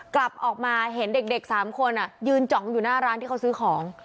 กลับออกมาเห็นเด็ก๓คนยืนจ๋องอยู่หน้าร้านที่เขาซื้อของ